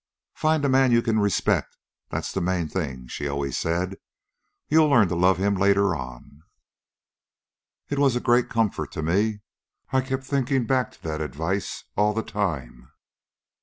"'Find a man you can respect. That's the main thing,' she always said. 'You'll learn to love him later on.' "It was a great comfort to me. I kept thinking back to that advice all the time."